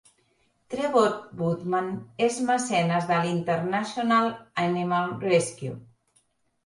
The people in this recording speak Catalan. Trevor Woodman és mecenes de l'International Animal Rescue.